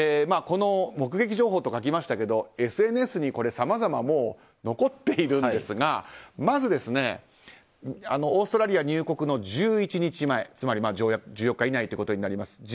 目撃情報と書きましたけどＳＮＳにさまざま残っているんですがまずオーストラリア入国の１１日前つまり１４日以内ということになります。